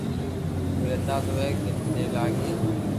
ڪوئي اندازو ھي ڪيتي دير لاگئي